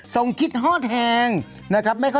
ทรงคิดฮอแทงนะครับ